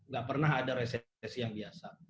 gak pernah ada resesi yang biasa